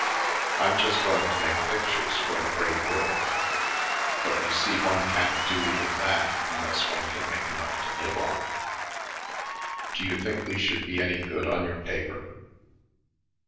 I'm just going to make pictures for the great work, but you see one can't do even that unless one can make enough to live on. Do you think we should be any good on your paper?